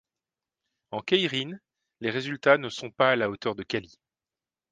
En keirin, les résultats ne sont pas à la hauteur de Cali.